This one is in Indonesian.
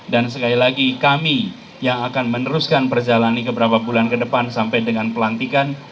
dan sekali lagi kami yang akan meneruskan perjalanan ini beberapa bulan ke depan sampai dengan pelantikan